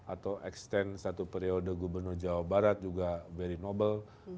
atau extend satu periode gubernur jawa barat juga very nobel